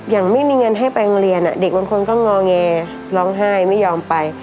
อย่างไม่มีเงินให้ไปโรงเรียนเด็กบางคนก็งอแงร้องไห้ไม่ยอมไป